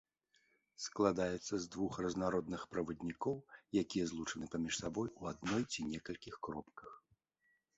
Складаецца з двух разнародных праваднікоў, якія злучаны паміж сабой у адной ці некалькіх кропках.